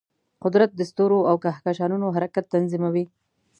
قدرت د ستورو او کهکشانونو حرکت تنظیموي.